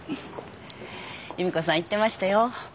夕美子さん言ってましたよ。